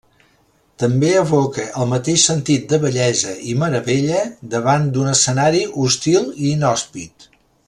També evoca el mateix sentit de bellesa i meravella davant d'un escenari hostil i inhòspit.